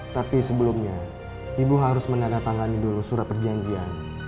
tapi sebelumnya ibu harus menandatangani dulu surat perjanjian